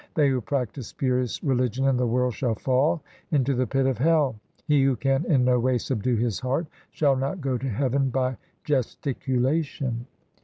They who practise spurious religion in the world Shall fall into the pit of hell. He who can in no way subdue his heart Shall not go to heaven by gesticulation.